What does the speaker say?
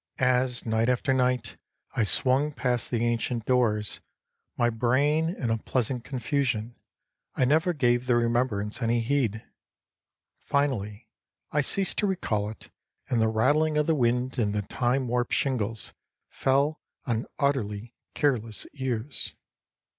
As, night after night, I swung past the ancient doors, my brain in a pleasant confusion, I never gave the remembrance any heed. Finally, I ceased to recall it, and the rattling of the wind in the time warped shingles fell on utterly careless ears.